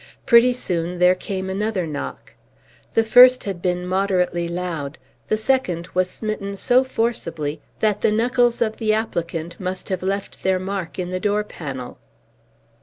Pretty soon there came another knock. The first had been moderately loud; the second was smitten so forcibly that the knuckles of the applicant must have left their mark in the door panel.